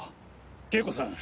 景子さん